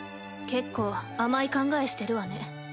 結構甘い考えしてるわね。